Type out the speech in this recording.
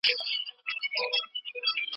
مکناتن د خپلو چارواکو په وړاندې عاجز و.